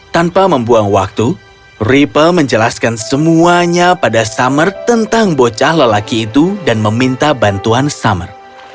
tanpa membuang waktu ripple menjelaskan semuanya pada summer tentang bocah lelaki itu dan meminta bantuan summer